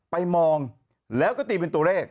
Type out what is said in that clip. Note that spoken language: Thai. ไปมองแล้วก็ตีเป็นตัวเลข